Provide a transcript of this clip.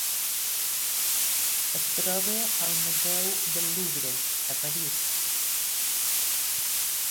Es troba al Museu del Louvre a París.